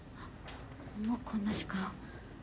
もうこんな時間。